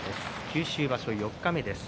九州場所、四日目です。